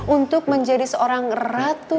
untuk menjadi seorang ratu